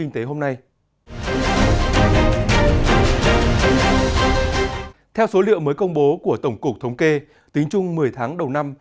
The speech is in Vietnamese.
theo số liệu mới công bố của tổng cục thống kê tính chung một mươi tháng đầu năm